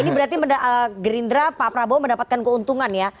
ini berarti gerindra pak prabowo mendapatkan keuntungan ya